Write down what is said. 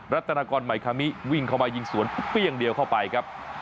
ัตนากรใหม่คามิวิ่งเข้ามายิงสวนเปรี้ยงเดียวเข้าไปครับ